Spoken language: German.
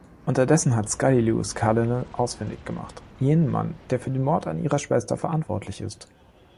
Unterdessen hat Scully Luis Cardinal ausfindig gemacht: jenen Mann, der für den Mord an ihrer Schwester verantwortlich ist.